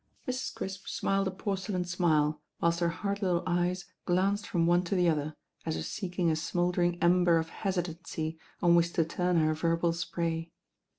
Mrs. Crisp smiled a porcelain smile, whilst her hard little eyes glanced from one to the other, as if seeking a smouldering ember of hesitancy on which to turn her verbal spray.